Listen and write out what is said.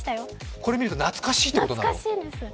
これ見ると懐かしいってことなの？